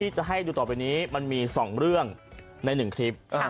ที่จะให้ดูต่อไปนี้มันมีสองเรื่องในหนึ่งคลิป